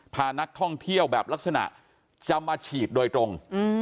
พานักท่องเที่ยวแบบลักษณะจะมาฉีดโดยตรง